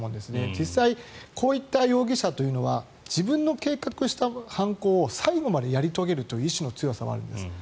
実際、こういった容疑者というのは自分の計画した犯行を最後までやり遂げるという意思の強さはあるんです。